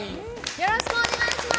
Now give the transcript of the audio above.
よろしくお願いします！